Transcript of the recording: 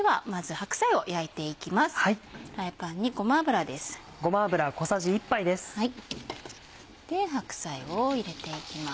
白菜を入れていきます。